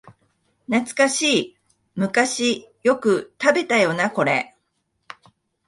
懐かしい、昔よく食べたよなこれ